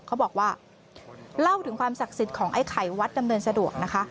เขาบอกว่าเล่าถึงความศักดิ์สิทธิ์ของไอ้ไข่วัดดำเนินสะดวกนะคะ